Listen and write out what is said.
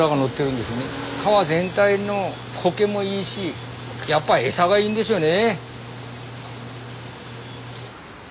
川全体のコケもいいしやっぱ餌がいいんでしょうね。